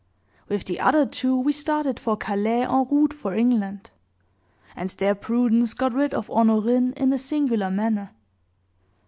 With the other two we started for Calais, en route for England; and there Prudence got rid of Honorine in a singular manner.